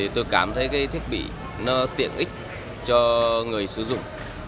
tôi cảm thấy thiết bị tiện ích cho người sử dụng